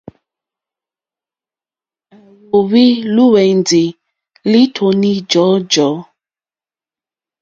À wóhwì lùwɛ̀ndì lítúní jɔ̀ɔ́jɔ̀ɔ́.